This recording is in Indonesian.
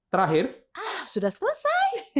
terakhir sudah selesai